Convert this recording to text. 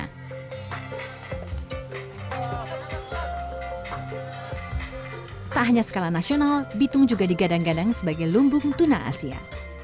selain sebuah perusahaan nasional bitung juga digadang gadang sebagai lumbung tuna asia